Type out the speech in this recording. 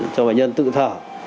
cho bệnh nhân tự thở